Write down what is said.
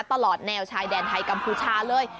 ตลอดแนวชายแดนไทยกัมพูชาเลย